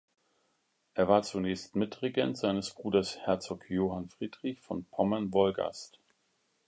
Er war zunächst Mitregent seines Bruders Herzog Johann Friedrich von Pommern-Wolgast.